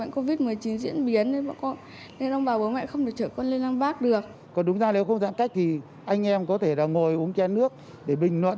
còn đúng ra nếu không giãn cách thì anh em có thể ngồi uống chén nước để bình luận